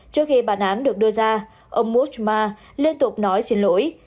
trước khi bản án được đưa ra ông mook ma liên tục nói xin lỗi